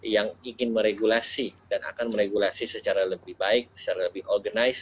yang ingin meregulasi dan akan meregulasi secara lebih baik secara lebih organized